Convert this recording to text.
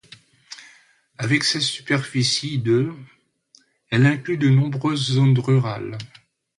Avec sa superficie de elle inclut de nombreuses zones rurales.